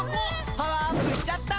パワーアップしちゃった！